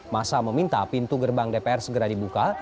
masa meminta pintu gerbang dpr segera dibuka